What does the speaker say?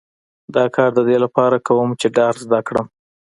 دا کار د دې لپاره کوم چې ډار زده کړم